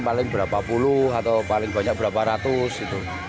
paling berapa puluh atau paling banyak berapa ratus gitu